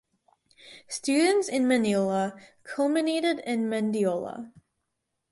Students in Manila culminated in Mendiola.